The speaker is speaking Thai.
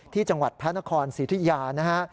ที่จังหวัดพระนครศรีธุยานะฮะ